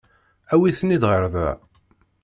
Awi-ten-id ɣer da.